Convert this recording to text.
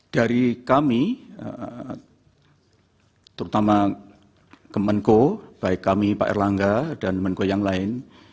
dari kami terutama kemenko baik kami pak erlangga dan menko yang lain